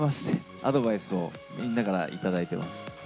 アドバイスをみんなから頂いています。